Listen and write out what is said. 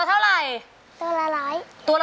ตัวละร้อย